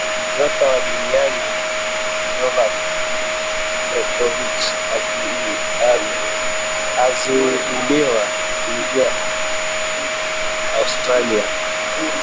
Nyota wa duniani Novak Jokovich azuiliwa kuingia Australia